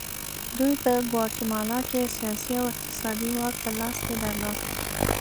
دوی په ګواتیمالا کې سیاسي او اقتصادي واک په لاس کې درلود.